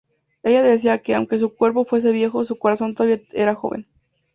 Ella decía que, aunque su cuerpo fuese viejo, su corazón todavía era joven.